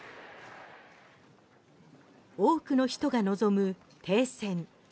多くの人が望む停戦。